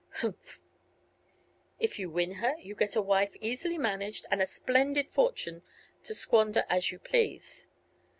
'" "Humph!" "If you win her, you get a wife easily managed and a splendid fortune to squander as you please."